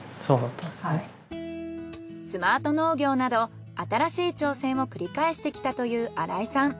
スマート農業など新しい挑戦を繰り返してきたという新井さん。